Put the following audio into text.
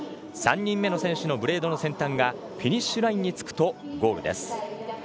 ３人目の選手のブレードの先端がフィニッシュラインに着くとゴールです。